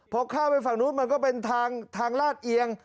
พอข้ามไปฝั่งนู้นมันก็เป็นทางลาดเอียง